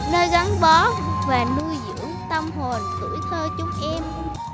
nơi gắn bó và nuôi dưỡng tâm hồn tuổi thơ chúng em